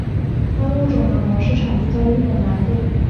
该物种的模式产地在日本南部。